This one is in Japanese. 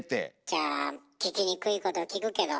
じゃあ聞きにくいこと聞くけど。